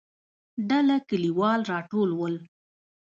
ډله کليوال راټول ول.